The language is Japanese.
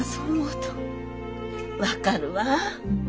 分かるわ。